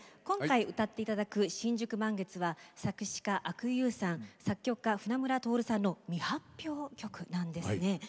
今回歌っていただく「新宿満月」は作詞家阿久悠さん作曲家船村徹さんの未発表曲なんですね。